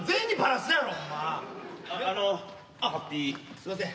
すみません。